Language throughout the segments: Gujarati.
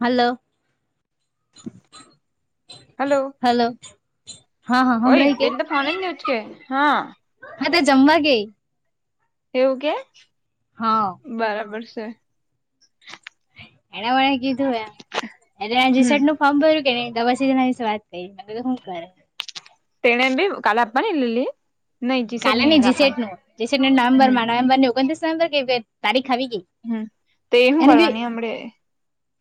હાલો હલો હા હા ઓય હમણાં કે પેલી તો ફોન જ ની ઉચકે હા હા તે જમવા ગઈ એવું કે હા બરાબર છે એના વ કીધું એ એટલે હમ રીસટ નું ફોર્મ ભર્યું કે ને તો પસિજ એના વિશે વાત કરી તો શું કરે તેણે ભી કાલે આપણા ની લીધેલી કાલે નને જીસેટ નું જીસેટને હમ નવેમ્બરમાં નવેમ્બર ની ઓગત્રીસ નવેમ્બર કે તારીખ ખ ગઈ હમ તો એ હું એનેી કરવાની હમડે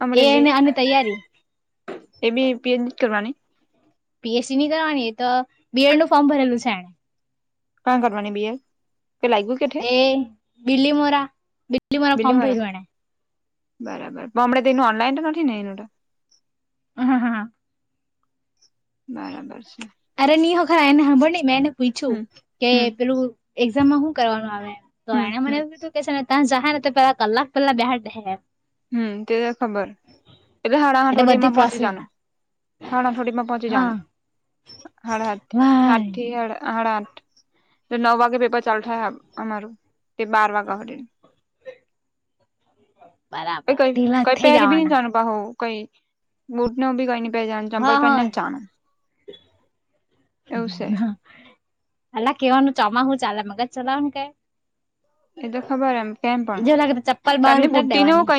હમડે લે એને આ તૈયારી એ બી પીએનજી કરવાની પીએચડી ની કરવાની એ તો બીએડ નું ફોર્મ ભરેલું છે એણે કં કરવાની ભૈયા એ બીલીમોરા બીલીમોરા બિલી ફોમ મારા ભર્યું એણે બરાબર પણ હમણાં તોનું ઓનલાઈન તો નથી ને એનું તો હા હા બરાબર છે અરે વખરાર એને ખબર નઈ મેં એને પૂછું હમ કે હમ પેલું એક્ઝામમાં શું કરવાનું આવે તો હમ એને મને હમ એવું કીધું કે છે ને ત્યાં જાય ને તો પેલા કલાક પેલા બ રહે હમ તે તો ખબર એટલે હાડા બધી હાઠોડીમાં પહંચી પ્રોસેસ જાનું હાણા થોડી મે પહંચી હા જાણા હાડાા હા ભાઈ ઠી હ આડા આઠ જો નવ વાગે પેપર ચાલુ થાય અમારું તે બાર વાગ્યા હો કઈ બરાબર ક ઢીલા કહી થઈ પહેારી ન જવાના જાણ પા હું કઈ બૂટનેભી કઈ ન પે જના હા ચમપલ પેને હા જાણ અલા કેવાનું ચોમાસું ચાલે મગજ ચલાવનું કઈ એ તો ખબર એમ કેમ પણ જો લાગે તો ચપ્પલ બહાર એમની ઉતારી દેવાની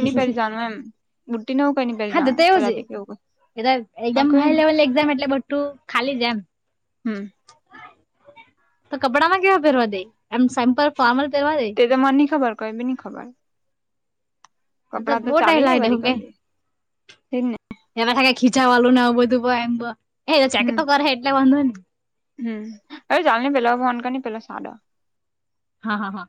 તને ક નની પ જ હા તો તો એવું જ કા એ એકદમ હાઈ લેવલ એક્ઝામ એટલે બટ તું ખાલી જમ હમ તો કપડા માં કેવા પેરવા દે એમ સેમ્પલ ફારમલ દવા દ તે તો મને ની ખબર કઈ બી ની ખબર અ તો કપડાં બહુ ટાઈમ ચાલી જાય લાગે વરી દેખું કે કઈ બી તેજ ને એવા થ ખીચા વાલ બધું ભ એમ એ તો ચેક હમ તો કરે એટલે વાંધો નને હમ અરે ચાલ ને પેલા ફોન કર ને પેલો સાદો હા હા હા